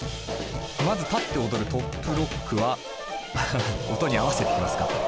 まず立って踊るトップロックは音に合わせてきますか。